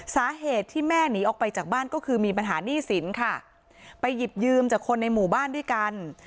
สาเหตุที่แม่หนีออกไปจากบ้านก็คือมีปัญหาหนี้สินค่ะไปหยิบยืมจากคนในหมู่บ้านด้วยกัน